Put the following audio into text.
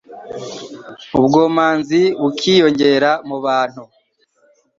ubwomanzi bukiyongera mu bantu